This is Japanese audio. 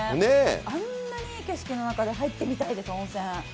あんないい景色の中で入ってみたいです、温泉。